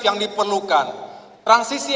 yang diperlukan transisi